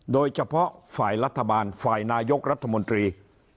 โดยเฉพาะฝ่ายรัฐบาลฝ่ายนายกรัฐมนตรี